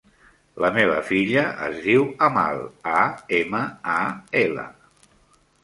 La meva filla es diu Amal: a, ema, a, ela.